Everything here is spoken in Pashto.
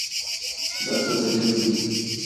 دا څه دلیل دی ؟